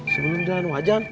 sebelum jalan wajan